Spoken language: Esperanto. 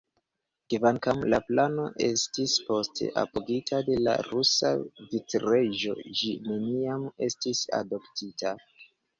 Kvankam la plano estis poste apogita de la rusa vicreĝo, ĝi neniam estis adoptita.